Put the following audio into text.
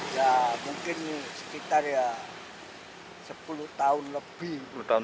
ya mungkin sekitar ya sepuluh tahun lebih